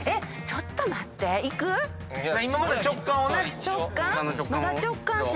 ちょっと待ってや！